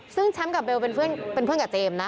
ซึ่งแชมป์กับเบลเป็นเพื่อนกับเจมส์นะ